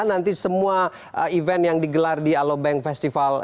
nanti semua event yang digelar di alobank festival